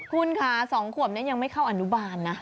คุณค่ะ๒ขวบนี้ยังไม่เข้าอนุบาลนะ